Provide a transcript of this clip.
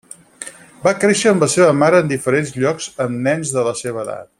Va créixer amb la seva mare en diferents llocs amb nens de la seva edat.